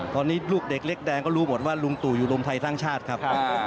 ตอนนี้ลูกเด็กเล็กแดงก็รู้หมดว่าลุงตู่อยู่รวมไทยสร้างชาติครับ